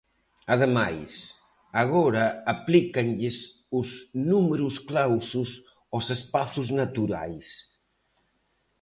Ademais, agora aplícanlles os numerus clausus aos espazos naturais.